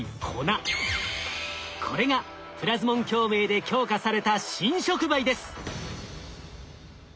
これがプラズモン共鳴で強化された新触媒です。